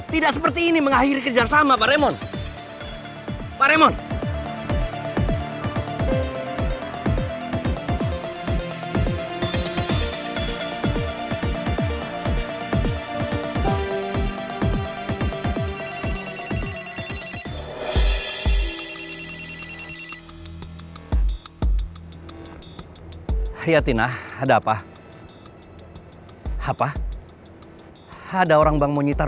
tidak seperti ini mengakhiri kerjaan sama pak raymond